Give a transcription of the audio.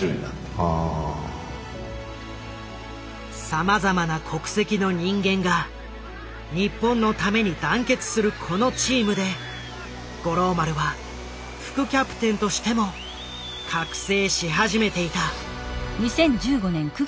さまざまな国籍の人間が日本のために団結するこのチームで五郎丸は副キャプテンとしても覚醒し始めていた。